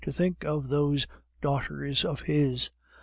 "To think of those daughters of his."